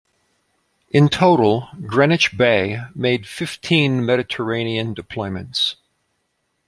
In total "Greenwich Bay" made fifteen Mediterranean deployments.